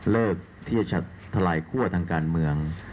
เลิกที่จะทลายคั่วทางการเมือง